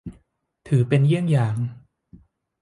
ถือเป็นเยี่ยงอย่าง